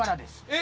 え？